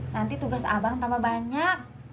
nanti tugas abang tambah banyak